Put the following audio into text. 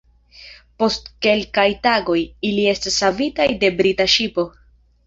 Post kelkaj tagoj, ili estas savitaj de brita ŝipo.